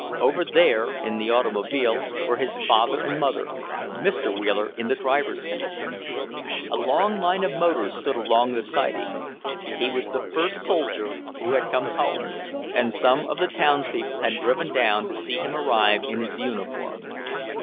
Over there, in the automobile, were his father and mother, Mr. Wheeler in the driver's seat. A line of motors stood along the siding. He was the first soldier who had come home, and some of the townspeople had driven down to see him arrive in his uniform.